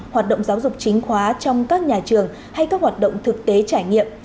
hoạt động giáo dục chính khóa trong các nhà trường hay các hoạt động thực tế trải nghiệm